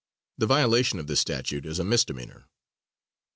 The violation of this statute is a misdemeanor.